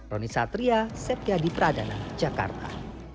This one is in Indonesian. roni satria sepia di pradana jakarta